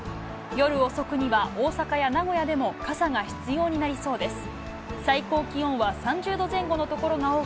夜遅くには、大阪や名古屋でも傘が必要になりそうです。